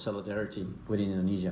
untuk bersama dengan indonesia